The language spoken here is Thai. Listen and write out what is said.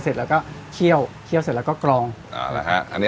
เสร็จแล้วก็เคี่ยวเคี่ยวเสร็จแล้วก็กรองอ่านะฮะอันนี้